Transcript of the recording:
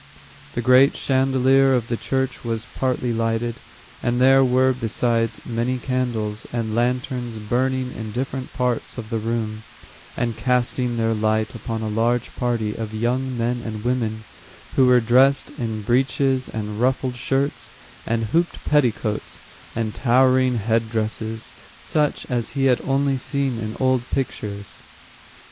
The great chandelier of the church was partly lighted, and there were, besides, many candles and lanterns burning in different parts of the room, and casting their light upon a large party of young men and women, who were dressed in breeches and ruffled shirts, and hooped petticoats and towering head dresses, such as he had only seen in old pictures.